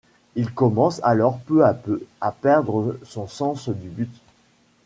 Il commence alors peu à peu à perdre son sens du but.